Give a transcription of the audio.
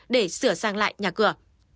để sửa sang lại nhà cửa